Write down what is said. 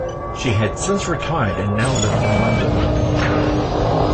She had since retired and now lived in London.